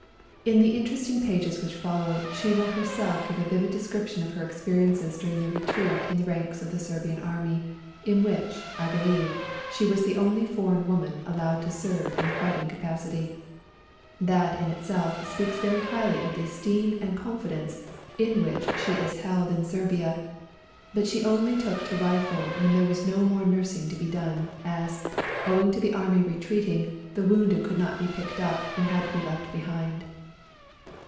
In the interest ing pages which follow she will herself give a vivid description of her experiences during the Retreat in the ranks of the Serbian Army, in which, I believe, she was the only foreign woman allowed to serve in a fighting capacity. That in itself speaks very highly of the esteem and confidence in which she is held in Serbia. But she only took to a rifle when there was no more nursing to be done, as, owing to INTRODUCTION vii the Army retreating, the wounded could not be picked up and had to be left behind.